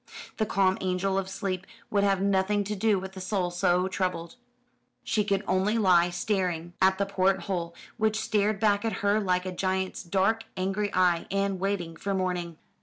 The calm angel of sleep would have nothing to do with a soul so troubled. She could only lie staring at the port hole, which stared back at her like a giant's dark angry eye, and waiting for morning.